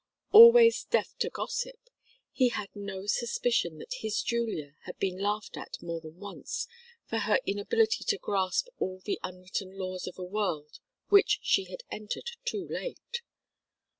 Always deaf to gossip, he had no suspicion that his Julia had been laughed at more than once for her inability to grasp all the unwritten laws of a world which she had entered too late.